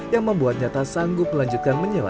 yang membuatnya tak sanggup melanjutkan menyewa tempat